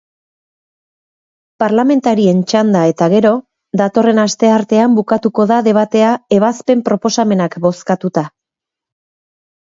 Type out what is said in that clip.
Parlamentarien txanda eta gero, datorren asteartean bukatuko da debatea ebazpen-proposamenak bozkatuta.